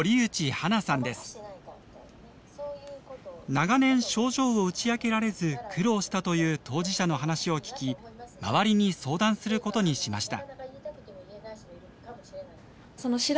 長年症状を打ち明けられず苦労したという当事者の話を聞き周りに相談することにしました。